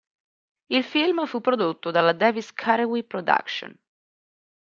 Il film fu prodotto dalla Davis-Carewe Productions.